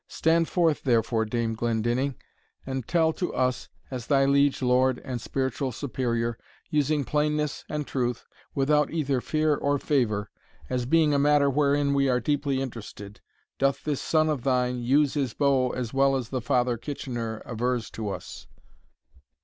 Stand forth, therefore, dame Glendinning, and tell to us, as thy liege lord and spiritual Superior, using plainness and truth, without either fear or favour, as being a matter wherein we are deeply interested, Doth this son of thine use his bow as well as the Father Kitchener avers to us?"